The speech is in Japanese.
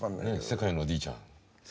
世界のおじいちゃん。